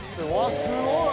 すごい！